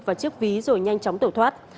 và chiếc ví rồi nhanh chóng tổ thoát